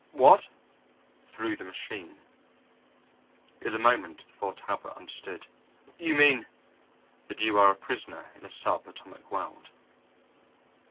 "What!" "Through the machine." It was a moment before Talbot understood. "You mean...." "That you are a prisoner in a sub atomic world."